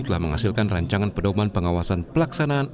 telah menghasilkan rancangan pedoman pengawasan pelaksanaan